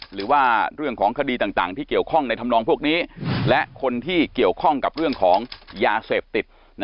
หรือว่าเรื่องของคดีต่างที่เกี่ยวข้องในธรรมนองพวกนี้และคนที่เกี่ยวข้องกับเรื่องของยาเสพติด